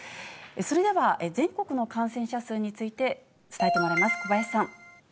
それでは、全国の感染者数について伝えてもらいます、小林さん。